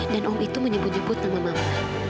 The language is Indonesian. dan umum itu menyebut nyebut sama mama